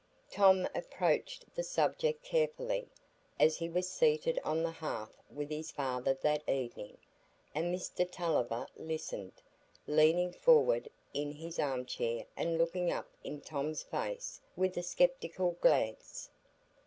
Tom approached the subject carefully, as he was seated on the hearth with his father that evening, and Mr Tulliver listened, leaning forward in his arm chair and looking up in Tom's face with a sceptical glance.